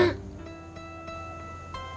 pisah harus ada alamnya